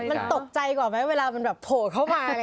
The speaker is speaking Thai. มันตกใจกว่าไหมเวลามันแบบโผล่เข้ามาอะไรอย่างนี้